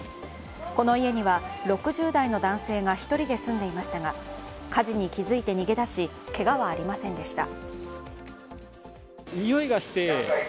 この家には６０代の男性が１人で住んでいましたが火事に気づいて逃げ出し、けがはありませんでした。